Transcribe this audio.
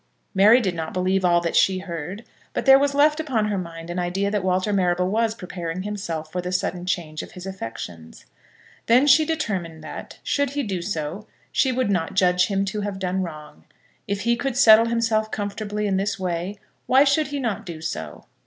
Mary did not believe all that she heard; but there was left upon her mind an idea that Walter Marrable was preparing himself for the sudden change of his affections. Then she determined that, should he do so, she would not judge him to have done wrong. If he could settle himself comfortably in this way, why should he not do so?